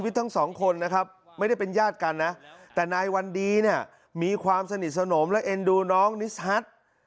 แต่นายวันดีมีความสนิทสนมและเอ็นดูน้องนิสฮัท